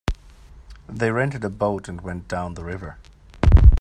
They rented a boat and went down the river.